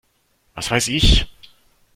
Was weiß ich!